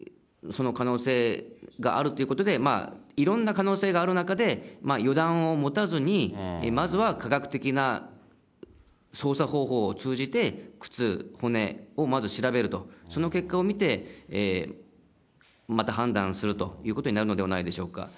美咲ちゃん以外には今のところ情報としてはありませんから、可能性としてはやはり、その可能性があるということで、いろんな可能性がある中で、予断を持たずに、まずは科学的な捜査方法を通じて、靴、骨をまず調べると、その結果を見て、また判断するということになるのではないでしょうか。